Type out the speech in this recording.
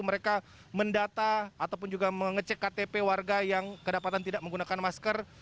mereka mendata ataupun juga mengecek ktp warga yang kedapatan tidak menggunakan masker